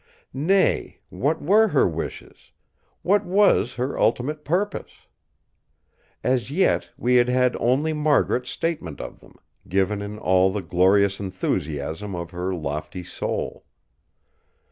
Nay, what were her wishes; what was her ultimate purpose? As yet we had had only Margaret's statement of them, given in all the glorious enthusiasm of her lofty soul.